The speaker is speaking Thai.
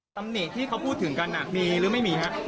คำนี้ที่เขาพูดถึงกันมีหรือไม่มีครับ